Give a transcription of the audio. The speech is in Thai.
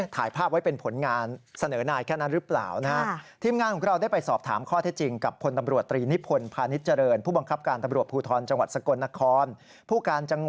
ถ่ายภาพไว้เป็นผลงานเสนอนายแค่นั้นหรือเปล่านะครับ